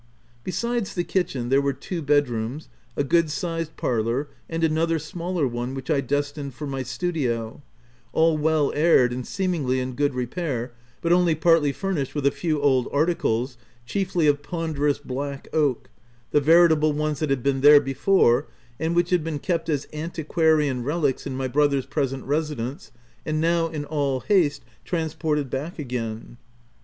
Besides the kitchen there were two bedrooms, a good sized parlour, and ano ther smaller one, which I destined for my studio, all well aired and seemingly in good repair, but only partly furnished with a few old articles, chiefly of ponderous black oak — the veritable ones that had been there before, and which had been kept as antiquarian relics in my brother's present residence, and now in all haste, trans ported back again.